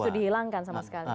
justru dihilangkan sama sekali